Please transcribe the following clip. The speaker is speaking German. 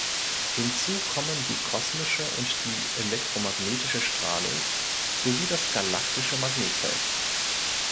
Hinzu kommen die kosmische und die elektromagnetische Strahlung sowie das galaktische Magnetfeld.